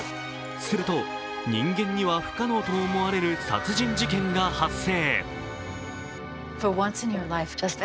すると、人間には不可能と思われる殺人事件が発生。